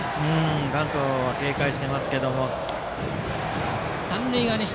バントを警戒していますけども。